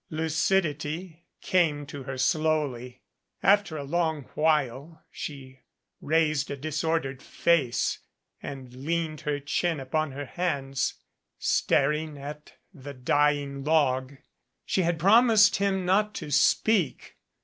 Lucidity came to her slowly. After a long while she raised a disordered face and leaned her chin upon her hands, staring at the dying log. She had promised him not to speak.